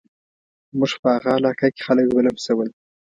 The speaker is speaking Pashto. موږ په هغه علاقه کې خلک ولمسول.